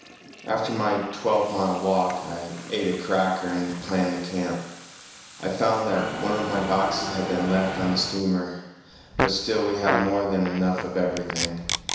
After my twelve mile walk, I ate a cracker and planned the camp. I found that one of my boxes had been left on the steamer, but still we have more than enough of everything.